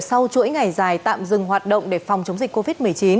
sau chuỗi ngày dài tạm dừng hoạt động để phòng chống dịch covid một mươi chín